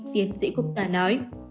tiến sĩ cục tà nói